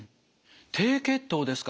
低血糖ですか。